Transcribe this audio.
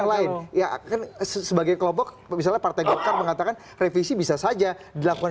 lain ya kan sebagai kelompok misalnya partai golkar mengatakan revisi bisa saja dilakukan